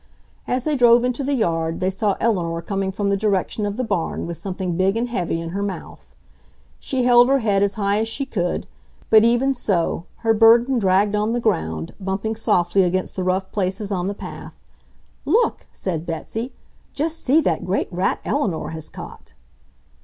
As they drove into the yard, they saw Eleanor coming from the direction of the barn with something big and heavy in her mouth. She held her head as high as she could, but even so, her burden dragged on the ground, bumping softly against the rough places on the path. "Look!" said Betsy. "Just see that great rat Eleanor has caught!"